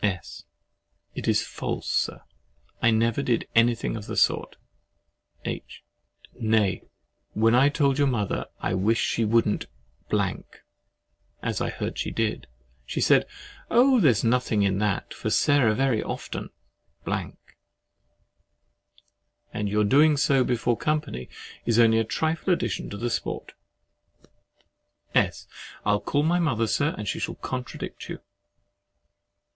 S. It is false, Sir, I never did anything of the sort. H. Nay, when I told your mother I wished she wouldn't (as I heard she did) she said "Oh, there's nothing in that, for Sarah very often ," and your doing so before company, is only a trifling addition to the sport. S. I'll call my mother, Sir, and she shall contradict you.